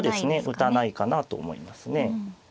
打たないかなと思いますね。